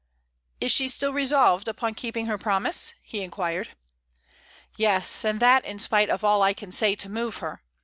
"Is she still resolved upon keeping her promise?" he inquired. "Yes; and that in spite of all I can say to move her.